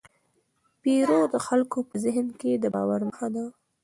پيژو د خلکو په ذهن کې د باور نښه ده.